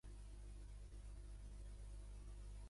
És casat i pare dues filles.